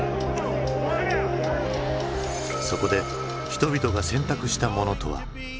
そこで人々が選択したものとは。